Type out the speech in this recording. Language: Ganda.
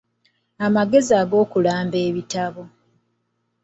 Amagezi ag'okulamba ebitabo